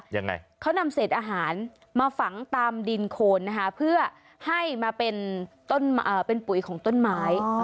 ยังไงเขานำเศษอาหารมาฝังตามดินโคนนะคะเพื่อให้มาเป็นต้นเป็นปุ๋ยของต้นไม้